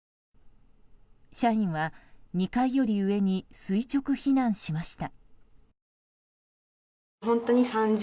社員は２階より上に垂直避難しました。